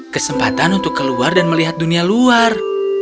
kesempatan untuk keluar dan melihat dunia luar